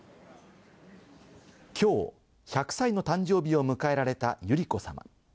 きょう、１００歳の誕生日を迎えられた百合子さま。